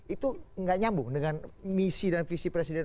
itu nggak nyambung dengan misi dan visi presiden